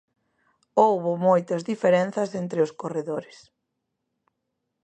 Houbo moitas diferenzas entre os corredores.